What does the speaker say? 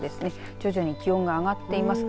徐々に気温が上がっています。